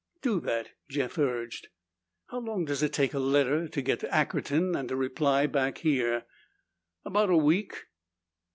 "Do that," Jeff urged. "How long does it take a letter to get to Ackerton and a reply back here?" "About a week."